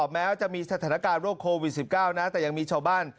แม้จะมีสถานการณ์โรคโควิด๑๙นะแต่ยังมีชาวบ้าน